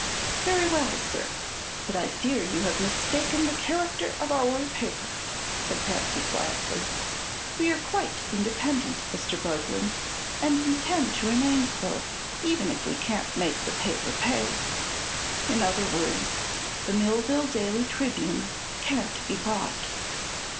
"Very well, sir. But I fear you have mistaken the character of our paper," said Patsy quietly. "We are quite independent, Mr. Boglin, and intend to remain so even if we can't make the paper pay. In other words, the Millville Daily Tribune can't be bought."